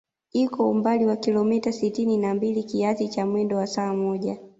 Iko umbali wa kilomita sitini na mbili kiasi cha mwendo wa saa moja